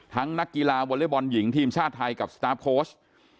นักกีฬาวอเล็กบอลหญิงทีมชาติไทยกับสตาร์ฟโค้ช